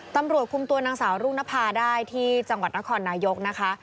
ตำรวจคุมตัวนางสาวรุ่งนภาได้ที่จังหวัดนครนายกนะคะ